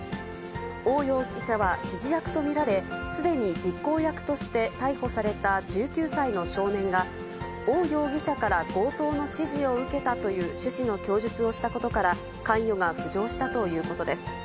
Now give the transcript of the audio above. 翁容疑者は、指示役と見られ、すでに実行役として逮捕された１９歳の少年が、翁容疑者から強盗の指示を受けたという趣旨の供述をしたことから、関与が浮上したということです。